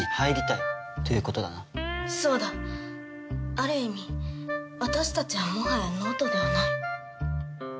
ある意味私たちはもはや脳人ではない。